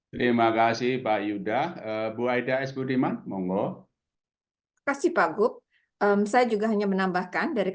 terima kasih pak gubernur